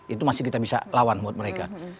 itu masih kita bisa lawan buat mereka